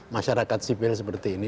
masyarakat sipil seperti ini